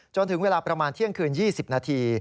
จนถึงเวลาประมาณเที่ยงคืน๒๐นาที